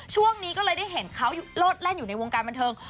ช่วงนี้ก็เลยได้เห็นเขาโลดแล่นอยู่ในวงการบันเทิง